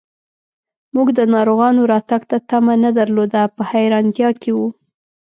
موږ د ناروغانو راتګ ته تمه نه درلوده، په حیرانتیا کې و.